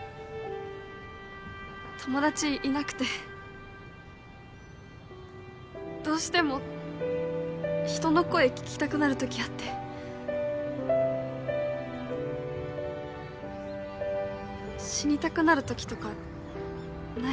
友達いなくてどうしても人の声聞きたくなる時あって死にたくなる時とかない？